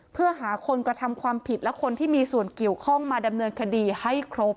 เพื่อหาคนกระทำความผิดและคนที่มีส่วนเกี่ยวข้องมาดำเนินคดีให้ครบ